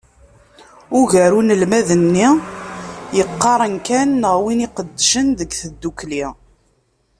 Ugar n unelmad-nni yeqqaren kan neɣ win iqeddcen deg tddukli.